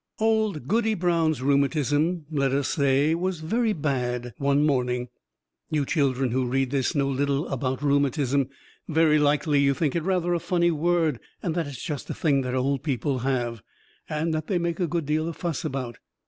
Old Goody Brown's rheumatism, let us say, was very bad one morning. You children who read this know little about rheumatism. Very likely you think it rather a funny word, and that it is just a thing that old people have, and that they make a good deal of fuss about.